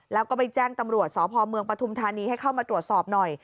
แล้วก็ไปแจ้งตำรวจสพเมืองปฐุมธานีให้เข้ามาตรวจสอบหน่อย